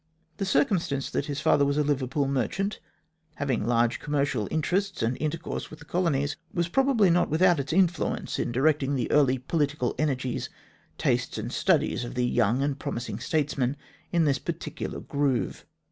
The circumstance that his father was a Liverpool merchant, having large commercial interests and intercourse with the Colonies, was probably not without its influence in directing the early political energies, tastes, and studies of the young and promising statesman into this particular groove.